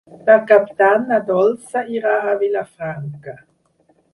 Per Cap d'Any na Dolça irà a Vilafranca.